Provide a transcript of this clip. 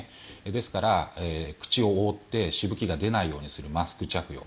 ですから、口を覆ってしぶきが出ないようにするマスク着用。